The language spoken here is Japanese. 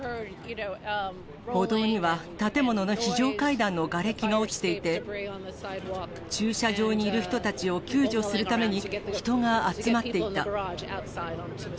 歩道には建物の非常階段のがれきが落ちていて、駐車場にいる人たちを救助するために、人が集まっていた。